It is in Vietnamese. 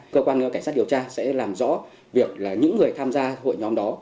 cơ quan cảnh sát điều tra sẽ làm rõ việc là những người tham gia hội nhóm đó